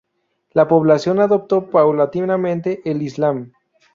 La población adoptó paulatinamente el Islam.